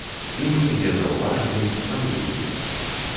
І мы яе заўважылі, палюбілі.